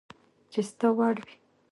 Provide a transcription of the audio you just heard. چي ستا وړ وي